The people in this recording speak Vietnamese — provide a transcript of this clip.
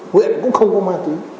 huyện cũng không có ma túy